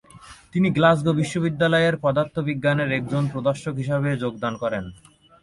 তিনি গ্লাসগো বিশ্ববিদ্যালয়ের পদার্থবিজ্ঞানের একজন প্রদর্শক হিসাবে যোগদান করেন।